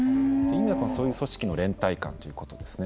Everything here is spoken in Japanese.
そういう組織の連帯感ということですね。